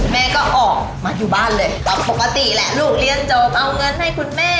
แม่ก็ออกมาอยู่บ้านเลยตามปกติแหละลูกเรียนจบเอาเงินให้คุณแม่